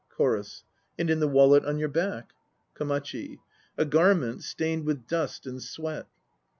CHORUS. And in the wallet on your back? KOMACHI. A garment stained with dust and sweat.